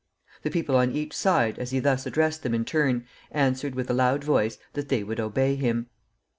The people on each side, as he thus addressed them in turn, answered, with a loud voice, that they would obey him.